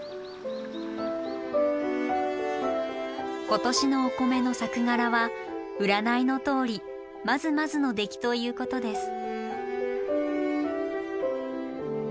今年のお米の作柄は占いのとおりまずまずの出来ということです。